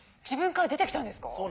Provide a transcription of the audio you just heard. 自分から出て来たんですか？